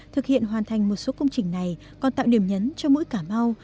thực hiện hoàn thành một số công trình này còn tạo điểm nhấn cho mũi cà mau